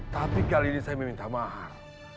tapi kali ini saya meminta maaf